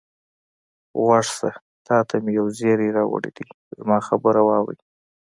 غوږ شه، تا ته مې یو زېری راوړی دی، زما خبره واورئ.